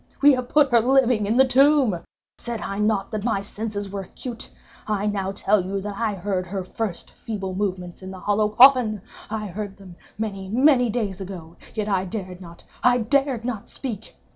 We have put her living in the tomb! Said I not that my senses were acute? I now tell you that I heard her first feeble movements in the hollow coffin. I heard them—many, many days ago—yet I dared not—_I dared not speak!